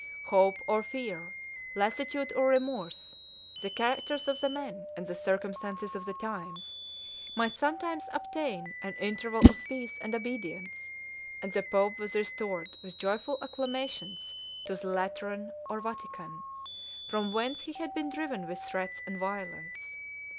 Hope or fear, lassitude or remorse, the characters of the men, and the circumstances of the times, might sometimes obtain an interval of peace and obedience; and the pope was restored with joyful acclamations to the Lateran or Vatican, from whence he had been driven with threats and violence.